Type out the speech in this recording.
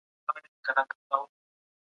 د فساد کوونکي لپاره سزا ټاکل سوې ده.